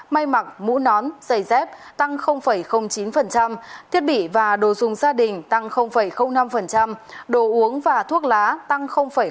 may mặc mũ nón giày dép tăng chín thiết bị và đồ dùng gia đình tăng năm đồ uống và thuốc lá tăng ba mươi